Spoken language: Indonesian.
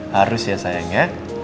harus ya sayang ya